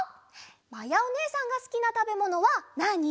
まやおねえさんがすきなたべものはなに？